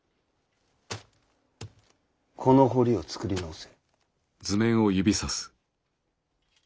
この堀を作り直せ。